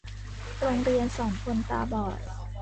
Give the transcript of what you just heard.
โรงเรียนสอนคนตาบอด